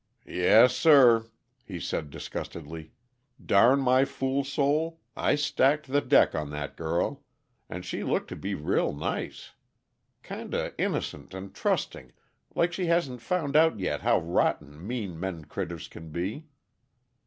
"Yes, sir," he said disgustedly, "darn my fool soul, I stacked the deck on that girl and she looked to be real nice. Kinda innocent and trusting, like she hasn't found out yet how rotten mean men critters can be."